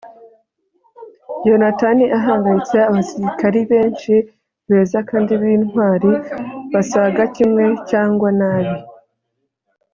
yonatani ahangayitse; abasirikari benshi beza kandi b'intwari basaga kimwe cyangwa nabi